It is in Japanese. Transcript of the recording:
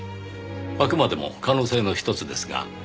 あくまでも可能性のひとつですが。